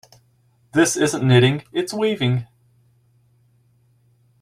This isn't knitting, its weaving.